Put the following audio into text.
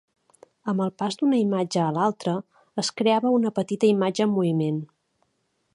Amb el pas d'una imatge a l'altre, es creava una petita imatge en moviment.